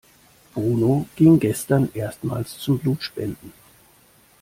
Bruno ging gestern erstmals zum Blutspenden.